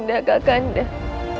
ada apa nek